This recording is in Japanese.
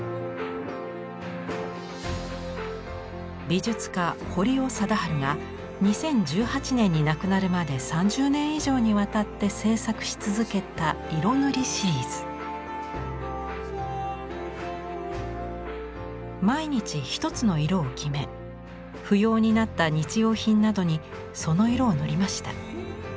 美術家堀尾貞治が２０１８年に亡くなるまで３０年以上にわたって制作し続けた毎日１つの色を決め不要になった日用品などにその色を塗りました。